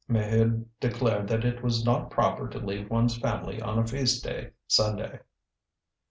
Maheude declared that it was not proper to leave one's family on a feast day Sunday.